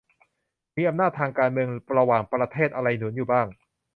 มีอำนาจทางการเมืองระหว่างประเทศอะไรหนุนอยู่บ้าง